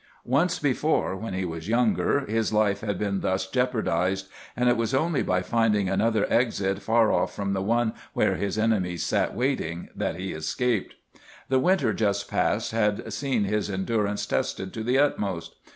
Once before, when he was younger, his life had been thus jeopardized, and it was only by finding another exit far off from the one where his enemies sat waiting that he escaped. The winter just passed had seen his endurance tested to the utmost.